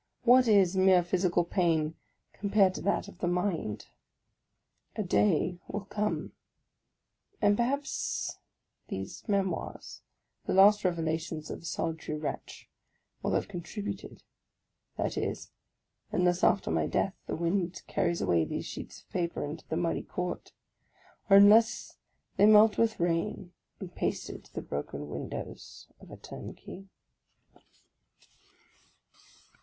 What is mere physical pain compared to that of the mind? A day will come, — and perhaps these memoirs, the last revelations of a solitary wretch, will have contributed — That is, unless after my death the wind carries away these sheets of paper into the muddy court, or* unless they melt with rain when pasted to the broken windows of a turnkey.